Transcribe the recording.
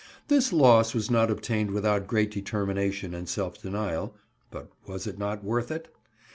This loss was not obtained without great determination and self denial, but was it not worth it?